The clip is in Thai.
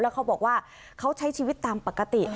เขาบอกว่าเขาใช้ชีวิตตามปกติ